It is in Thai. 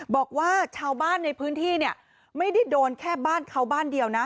บอกว่าชาวบ้านในพื้นที่เนี่ยไม่ได้โดนแค่บ้านเขาบ้านเดียวนะ